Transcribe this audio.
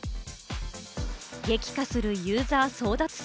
激化するユーザー争奪戦。